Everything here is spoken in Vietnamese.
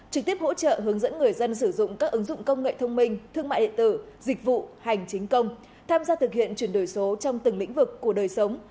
trực tiếp hỗ trợ hướng dẫn người dân sử dụng các ứng dụng công nghệ thông minh thương mại điện tử dịch vụ hành chính công tham gia thực hiện chuyển đổi số trong từng lĩnh vực của đời sống